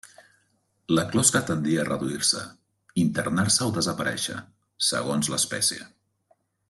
La closca tendí a reduir-se, internar-se o desaparèixer, segons l'espècie.